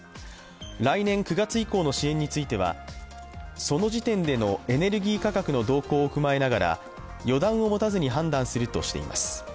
来年９月以降の支援については、その時点でのエネルギー価格の動向を踏まえながら予断を持たずに判断するとしています。